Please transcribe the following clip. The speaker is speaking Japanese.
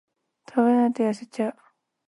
食べないと痩せちゃう